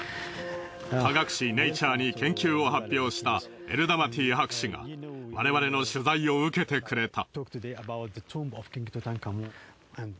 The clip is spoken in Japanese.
科学誌『ｎａｔｕｒｅ』に研究を発表したエルダマティ博士が我々の取材を受けてくれた。